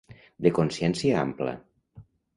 De consciència ampla.